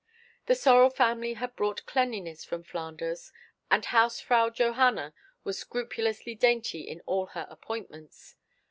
The Sorel family had brought cleanliness from Flanders, and Hausfrau Johanna was scrupulously dainty in all her appointments.